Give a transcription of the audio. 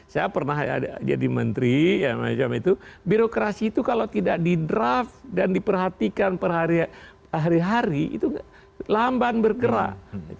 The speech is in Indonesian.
saya pernah jadi menteri birokrasi itu kalau tidak di draft dan diperhatikan per hari hari itu lamban bergerak